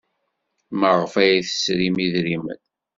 Maɣef ay tesrim idrimen?